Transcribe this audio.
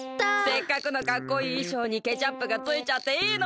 せっかくのかっこいいいしょうにケチャップがついちゃっていいの？